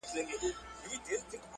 ځوانان پرې بحث کوي کله,